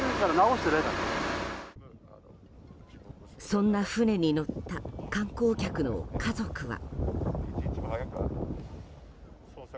そんな船に乗った観光客の家族は。